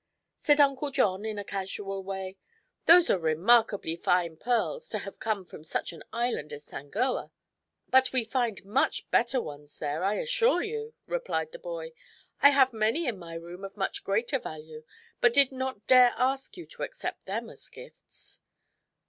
Said Uncle John, in a casual way: "Those are remarkably fine pearls, to have come from such an island as Sangoa." "But we find much better ones there, I assure you," replied the boy. "I have many in my room of much greater value, but did not dare ask you to accept them as gifts."